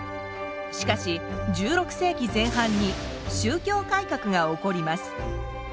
しかし１６世紀前半に宗教改革が起こります。